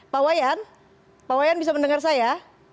pak wayan pak wayan bisa mendengar saya